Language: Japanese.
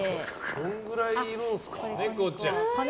どのくらいいるんですか？